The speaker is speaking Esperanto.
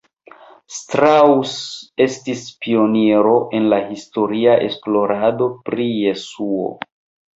Strauss estis pioniro en la historia esplorado pri Jesuo.